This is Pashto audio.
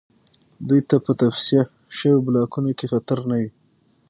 دوی ته به په تصفیه شویو بلاکونو کې خطر نه وي